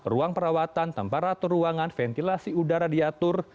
ruang perawatan tempat rata ruangan ventilasi udara diatur